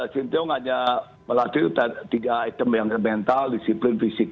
sin tiong hanya melatih tiga item yang mental disiplin fisik